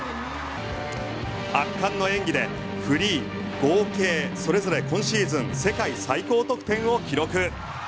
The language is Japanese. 圧巻の演技でフリー合計それぞれ今シーズン世界最高得点を記録。